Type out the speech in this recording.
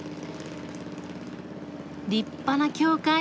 立派な教会。